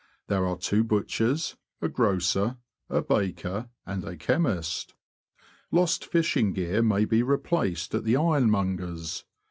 There are two butchers, a grocer, a baker, and a chemist. Lost fishing gear may be replaced at the ironmonger's.